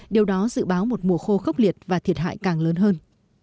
điều đó dự báo một mùa khô khốc liệt và thiệt hại càng lớn hơn